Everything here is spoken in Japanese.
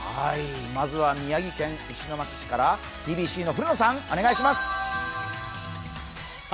まずは宮城県石巻市からｔｂｃの古野さん、お願いします。